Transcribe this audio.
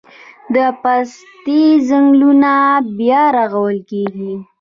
د پستې ځنګلونه بیا رغول کیږي